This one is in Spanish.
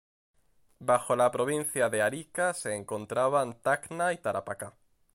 Bajo la Provincia de Arica se encontraban Tacna y Tarapacá.